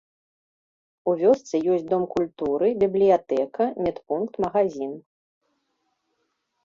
У вёсцы ёсць дом культуры, бібліятэка, медпункт, магазін.